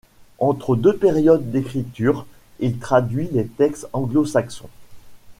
Entre deux périodes d’écriture, il traduit des textes anglo-saxons.